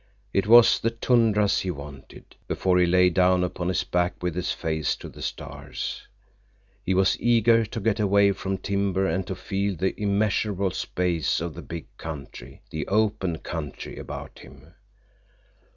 It was the tundra he wanted, before he lay down upon his back with his face to the stars. He was eager to get away from timber and to feel the immeasurable space of the big country, the open country, about him.